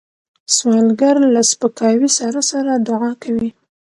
سوالګر له سپکاوي سره سره دعا کوي